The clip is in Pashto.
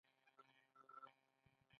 آیا د ایران بریښنا شبکه پراخه نه ده؟